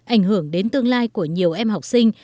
ảnh hưởng đến tương lai của nhiều em học sinh